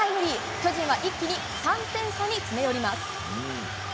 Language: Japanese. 巨人は一気に３点差に詰め寄ります。